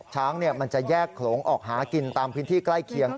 ช้างมันจะแยกโขลงออกหากินตามพื้นที่ใกล้เคียง